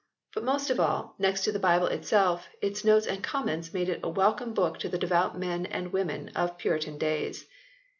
But most of all, next to the Bible itself, its notes and comments made it a welcome book to the devout men and women of Puritan days.